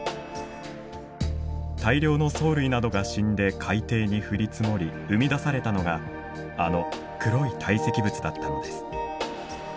大量の藻類などが死んで海底に降り積もり生み出されたのがあの黒い堆積物だったのです。